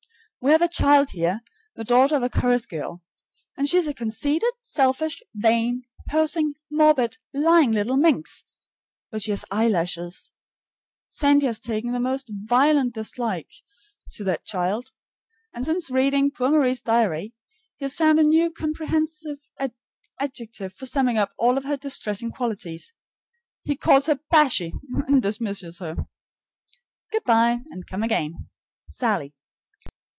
We have a child here, the daughter of a chorus girl, and she is a conceited, selfish, vain, posing, morbid, lying little minx, but she has eyelashes! Sandy has taken the most violent dislike to that child. And since reading poor Marie's diary, he has found a new comprehensive adjective for summing up all of her distressing qualities. He calls her BASHY, and dismisses her. Good by and come again. SALLIE.